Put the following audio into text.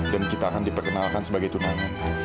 dan kita akan diperkenalkan sebagai tunangin